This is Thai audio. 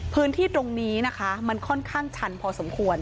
พื้นที่ตรงนี้นะคะมันค่อนข้างชันพอสมควร